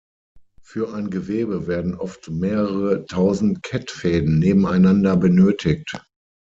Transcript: Für ein Gewebe werden oft mehrere tausend Kettfäden nebeneinander benötigt.